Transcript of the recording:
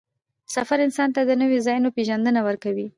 سفر انسان ته د نوو ځایونو پېژندنه ورکوي